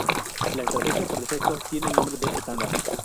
La estrategia por defecto tiene el nombre de "estándar".